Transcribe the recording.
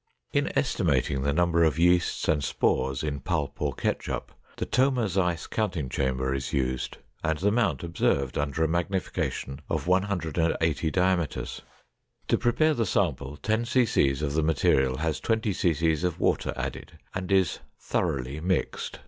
In estimating the number of yeasts and spores in pulp or ketchup, the Thoma Zeiss counting chamber is used and the mount observed under a magnification of 180 diameters. To prepare the sample, 10 cc of the material has 20 cc of water added and is "thoroughly mixed."